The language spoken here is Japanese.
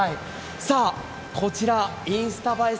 こちらインスタ映え